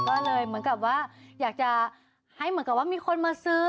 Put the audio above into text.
ก็เลยเหมือนกับว่าอยากจะให้เหมือนกับว่ามีคนมาซื้อ